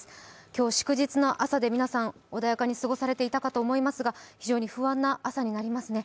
今日、祝日の朝で皆さん、穏やかに過ごされていたと思いますが、非常に不安な朝になりますね。